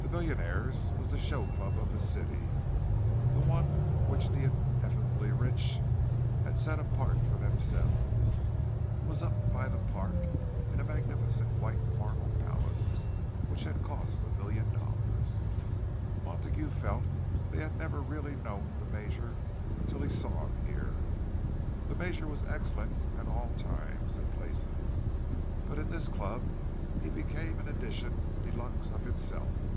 The Millionaires' was the show club of the city, the one which the ineffably rich had set apart for themselves. It was up by the park, in a magnificent white marble palace which had cost a million dollars. Montague felt that he had never really known the Major until he saw him here. The Major was excellent at all times and places, but in this club he became an edition de luxe of himself.